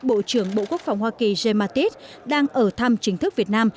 bộ trưởng bộ quốc phòng hoa kỳ giai ma tít đang ở thăm chính thức việt nam